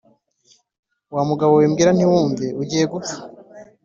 wa mugabo we mbwira ntiwumve, ugiye gupfa.